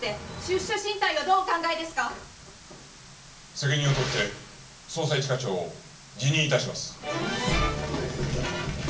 責任を取って捜査一課長を辞任致します。